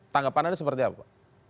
tanggapan anda seperti apa